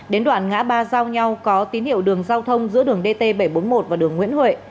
đến đoạn ngã ba giao nhau có tín hiệu đường giao thông giữa đường dt bảy trăm bốn mươi một và đường nguyễn huệ